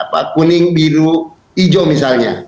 kuning biru hijau misalnya